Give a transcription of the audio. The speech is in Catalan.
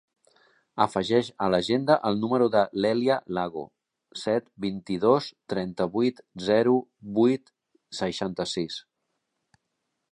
Afegeix a l'agenda el número de l'Èlia Lago: set, vint-i-dos, trenta-vuit, zero, vuit, seixanta-sis.